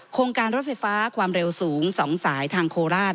โครงการรถไฟฟ้าความเร็วสูง๒สายทางโคราช